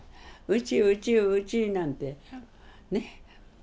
「うちうちうち」なんてね。